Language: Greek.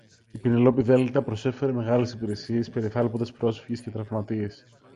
η Πηνελόπη Δέλτα προσέφερε μεγάλες υπηρεσίες, περιθάλποντας πρόσφυγες και τραυματίες